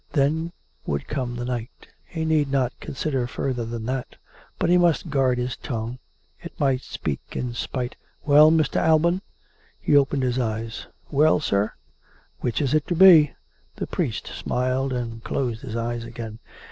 Then would come the night. He need not consider further than that. ... But he must guard his tongue. It might speak, in spite "Well, Mr. Alban?" He opened his eyes. "Well, sir.>" " Which is it to be ?" The priest smiled and closed his eyes again.